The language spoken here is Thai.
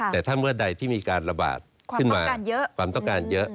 แต่ถ้าเมื่อใดที่มีการระบาดขึ้นมาความต้องการเยอะ